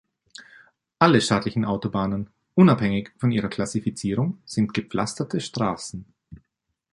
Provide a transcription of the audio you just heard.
Alle staatlichen Autobahnen, unabhängig von ihrer Klassifizierung, sind gepflasterte Straßen.